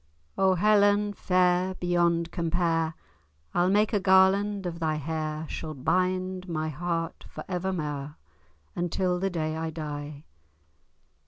O Helen fair beyond compare, I'll make a garland of thy hair, Shall bind my heart for evermair, Until the day I die.